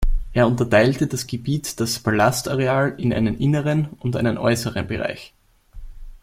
Er unterteilte das Gebiet das Palast-Areal in einen „Inneren“ und einen „Äußeren Bereich“.